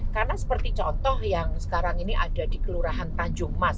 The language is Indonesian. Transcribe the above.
karena seperti contoh yang sekarang ini ada di kelurahan tanjung mas